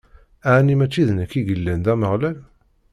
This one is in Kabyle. Eni mačči d nekk i yellan d Ameɣlal?